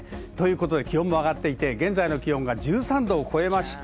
気温も上がっていて現在は１３度を超えました。